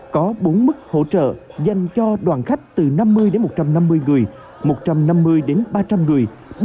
có bốn mức hỗ trợ dành cho đoàn khách từ năm mươi đến một trăm năm mươi người một trăm năm mươi đến ba trăm linh người ba trăm linh đến bảy trăm linh người và trên bảy trăm linh người